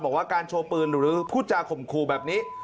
บอกว่าการโชว์ปืนหรือพูดจาข่มขู่แบบนี้